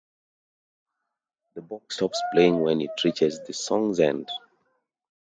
The box stops playing when it reaches the song’s end